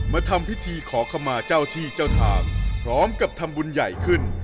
มาทำพิธีขอขมาเจ้าที่เจ้าทางพร้อมกับทำบุญใหญ่ขึ้น